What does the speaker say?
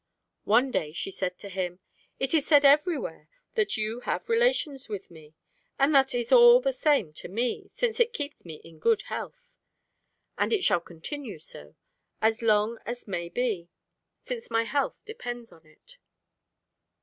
One day she said to him: 'It is said everywhere that you have relations with me; but that is all the same to me, since it keeps me in good health... and it shall continue so, as long as may be, since my health depends on it.